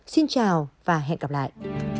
xin chào và hẹn gặp lại